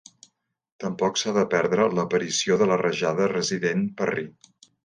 Tampoc s'ha de perdre l'aparició de la rajada resident Parrie.